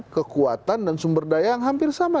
kekuatan dan sumber daya yang hampir sama